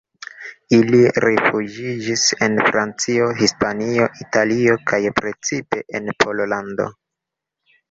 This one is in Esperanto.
Ili rifuĝiĝis en Francio, Hispanio, Italio kaj precipe en Pollando.